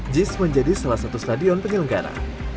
jis menjadi salah satu stadion penyelenggara